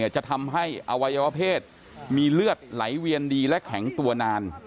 จะทำให้อวัยวะเพศมีเลือดไหลเวียนดีและแข็งตัวนาน